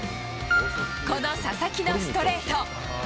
この佐々木のストレート。